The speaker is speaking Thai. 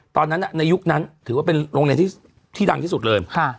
ตอนนั้นในยุคนั้นถือว่าเป็นโรงเรียนที่ดังที่สุดเลย